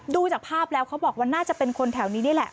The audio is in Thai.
ดูจากภาพแล้วเขาบอกว่าน่าจะเป็นคนแถวนี้นี่แหละ